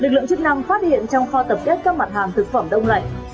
lực lượng chức năng phát hiện trong kho tập kết các mặt hàng thực phẩm đông lạnh